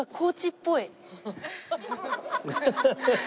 ハハハハ。